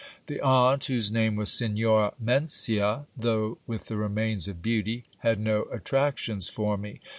The aunt, whose name was Signora Mencia, though with the remains of beauty, had no attractions for me.